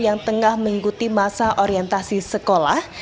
yang tengah mengikuti masa orientasi sekolah